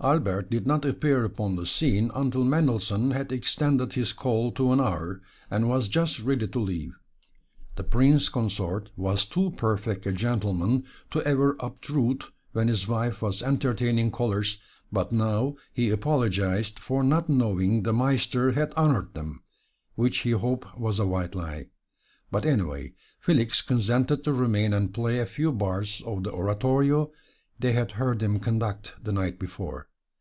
Albert did not appear upon the scene until Mendelssohn had extended his call to an hour, and was just ready to leave. The Prince Consort was too perfect a gentleman to ever obtrude when his wife was entertaining callers, but now he apologized for not knowing the Meister had honored them which we hope was a white lie. But, anyway, Felix consented to remain and play a few bars of the oratorio they had heard him conduct the night before.